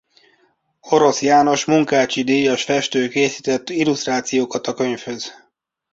Orosz János Munkácsy-díjas festő készített illusztrációkat a könyvhöz.